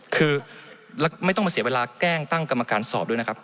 คือไม่ต้องมาเสียเวลาแกล้งตั้งกรรมการสอบด้วยนะครับ